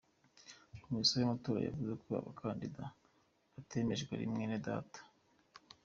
Komisiyo y’amatora yavuze ko abakandida batemejwe ari Mwenedata.